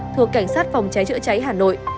thuộc cảnh sát phòng cháy chữa cháy hà nội